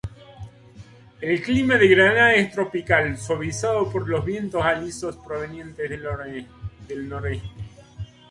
El clima de Granada es tropical, suavizado por los vientos alisios provenientes del noreste.